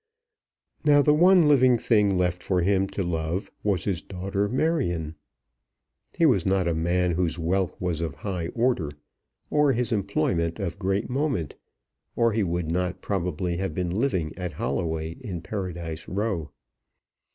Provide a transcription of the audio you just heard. Now the one living thing left for him to love was his daughter Marion. He was not a man whose wealth was of high order, or his employment of great moment, or he would not probably have been living at Holloway in Paradise Row.